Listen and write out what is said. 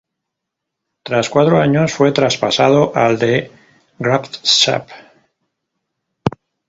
Tras cuatro años fue traspasado al De Graafschap.